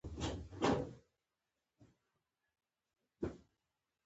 ما هم وجړل.